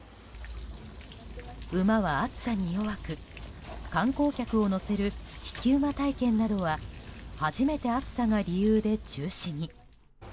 馬は暑さに弱く観光客を乗せる引き馬体験などは初めて暑さが理由で中止に。